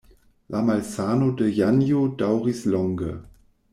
La malsano de Janjo daŭris longe.